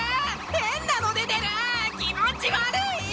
変なの出てる気持ち悪い！